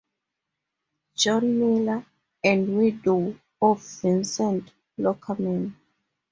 John Miller and widow of Vincent Loockerman.